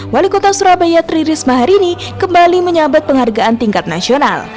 wali kota surabaya tririsma harini kembali menyambat penghargaan tingkat nasional